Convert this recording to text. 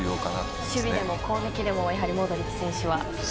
守備でも攻撃でもやはりモドリッチ選手は要注意？